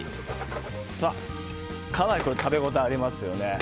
かなり食べ応えありますよね。